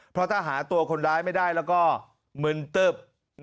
เพราะถ้าหาตัวคนร้ายไม่ได้แล้วก็มึนตึ๊บ